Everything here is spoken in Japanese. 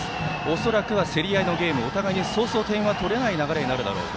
恐らくは競り合いのゲームお互いにそうそう点は取れない流れになるだろうと。